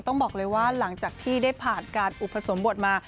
ต้องบอกเลยว่าหลังจากที่ได้ผ่านการอุปสมบทมา